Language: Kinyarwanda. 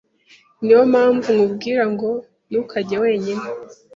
Niyo mpamvu nkubwira ngo ntukajye wenyine.